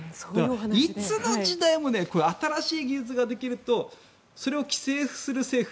いつの時代も新しい技術ができるとそれを規制する政府